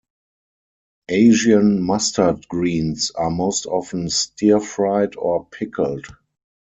Asian mustard greens are most often stir-fried or pickled.